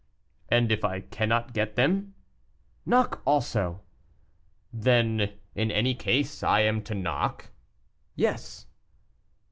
"And if I cannot get them?" "Knock also." "Then, in any case I am to knock?" "Yes."